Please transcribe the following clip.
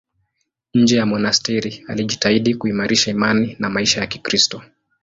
Nje ya monasteri alijitahidi kuimarisha imani na maisha ya Kikristo.